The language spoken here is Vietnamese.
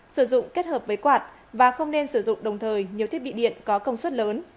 sử dụng kết hợp với quạt và không nên sử dụng đồng thời nhiều thiết bị điện có công suất lớn